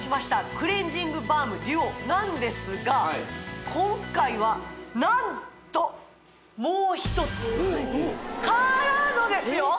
クレンジングバームＤＵＯなんですが今回は何ともう一つからのですよ